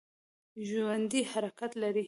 ژوندي حرکت لري